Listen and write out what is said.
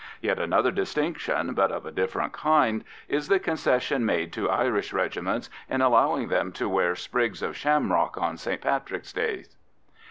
Yet another distinction, but of a different kind, is the concession made to Irish regiments in allowing them to wear sprigs of shamrock on St. Patrick's days.